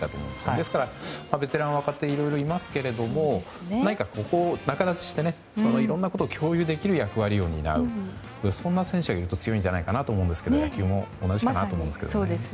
ですから、ベテランや若手いろいろいますけどここを仲立ちしていろんなことを共有できる役割を担うそんな選手がいると強いんじゃないかなと思いましたが野球も同じかなと思いますね。